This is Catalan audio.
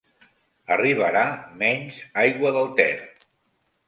Arribarà menys aigua del Ter.